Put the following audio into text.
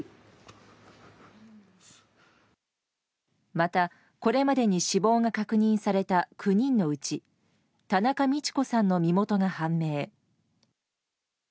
また、これまでに死亡が確認された９人のうち田中路子さんの身元が判明。